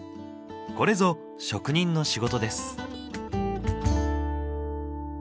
これぞ職人の仕事です。